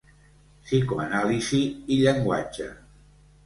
Psicoanàlisi i llenguatge.